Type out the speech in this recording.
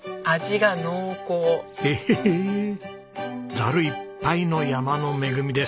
ざるいっぱいの山の恵みです。